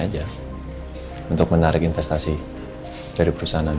aja untuk menarik investasi dari perusahaan anda